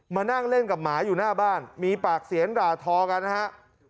มานั่งเล่นกับหมาอยู่หน้าบ้านมีปากเสียงด่าทอกันนะฮะ